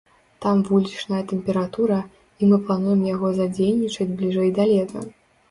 Там вулічная тэмпература, і мы плануем яго задзейнічаць бліжэй да лета.